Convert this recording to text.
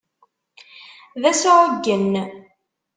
D asɛuggen.